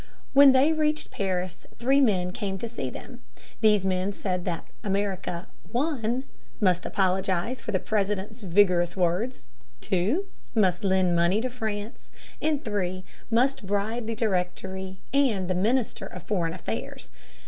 When they reached Paris three men came to see them. These men said that America (1) must apologize for the President's vigorous words, (2) must lend money to France, and (3) must bribe the Directory and the Minister of Foreign Affairs.